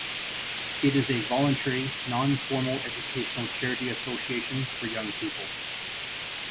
It is a voluntary, non-formal educational charity association for young people.